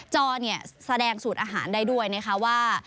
จอเนี่ยแสดงสูตรอาหารได้ด้วยนะคะว่า